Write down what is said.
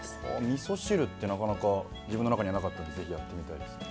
みそ汁ってなかなか自分の中にはなかったんで是非やってみたいですね。